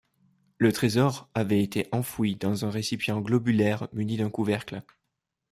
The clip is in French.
Le trésor avait été enfoui dans un récipient globulaire muni d'un couvercle.